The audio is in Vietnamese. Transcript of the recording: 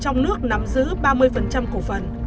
nắm giữ ba mươi cổ phần